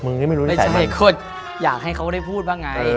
มึงก็ยังไม่รู้นิสัยมันไม่ใช่ค่อยอยากให้เขาได้พูดบ้างไง